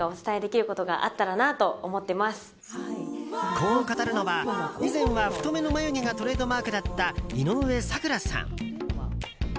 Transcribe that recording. こう語るのは以前は太めの眉毛がトレードマークだった井上咲楽さん。